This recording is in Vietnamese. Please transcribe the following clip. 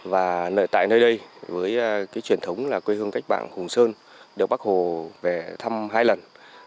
và tại nơi đây với truyền thống là quê hương cách bạn hùng sơn được bắc hồ về thăm hai lần